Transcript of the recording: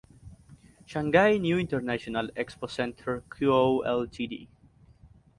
Shanghai New International Expo Centre Co., Ltd.